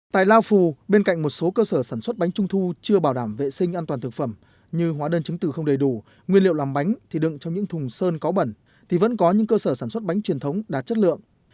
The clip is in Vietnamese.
tại lao phù bên cạnh một số cơ sở sản xuất bánh trung thu chưa bảo đảm vệ sinh an toàn thực phẩm như hóa đơn chứng từ không đầy đủ nguyên liệu làm bánh thì đựng trong những thùng sơn có bẩn thì vẫn có những cơ sở sản xuất bánh truyền thống đạt chất lượng